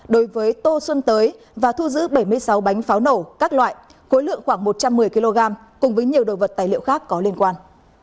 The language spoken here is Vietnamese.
đối với tô xuân tới và thu giữ bảy mươi sáu bánh pháo nổ các loại khối lượng khoảng một trăm một mươi kg cùng với nhiều đồ vật tài liệu khác có liên quan